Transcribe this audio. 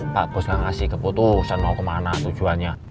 pak bos gak ngasih keputusan mau kemana tujuannya